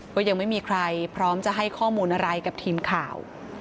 ก็ยังไม่มีใครพร้อมจะให้ข้อมูลอะไรกับทีมข่าว